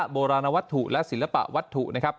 โบราณวัตถุและศิลปะวัตถุนะครับ